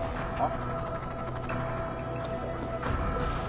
あっ。